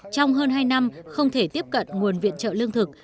trong hơn hai năm không thể tiếp cận nguồn viện trợ lương thực